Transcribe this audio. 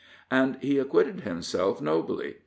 And he acquitted himself nobly.